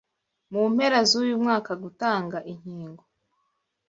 Mu mpera zuyu mwaka gutanga inkingo.